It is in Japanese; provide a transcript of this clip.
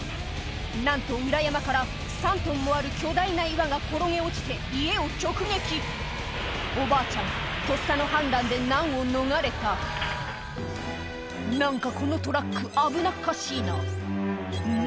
なんと裏山から３トンもある巨大な岩が転げ落ちて家を直撃おばあちゃんとっさの判断で難を逃れた何かこのトラック危なっかしいなん？